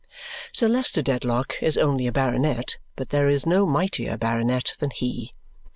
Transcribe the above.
Sir Leicester Dedlock is only a baronet, but there is no mightier baronet than he.